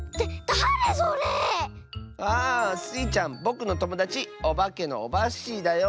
だれそれ⁉ああスイちゃんぼくのともだちおばけのオバッシーだよ。